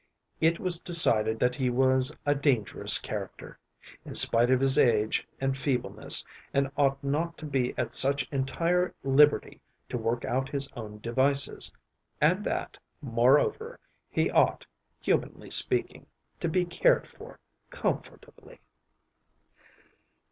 It was decided that he was a dangerous character, in spite of his age and feebleness, and ought not to be at such entire liberty to work out his own devices, and that, moreover, he ought, humanly speaking, to be cared for comfortably.